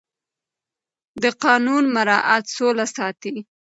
د قانون مراعت سوله ساتي